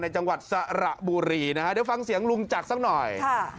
จังหวัดสระบุรีนะฮะเดี๋ยวฟังเสียงลุงจักรสักหน่อยค่ะ